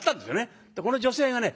この女性がね